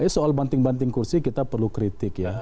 soal banting banting kursi kita perlu kritik ya